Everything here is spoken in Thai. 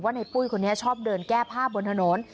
ในปุ้ยคนนี้ชอบเดินแก้ผ้าบนถนน